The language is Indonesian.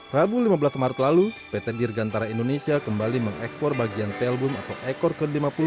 rabu lima belas maret lalu pt dirgantara indonesia kembali mengekspor bagian telbum atau ekor ke lima puluh enam